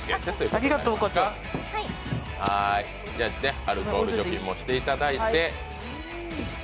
アルコール除菌もしていただいて。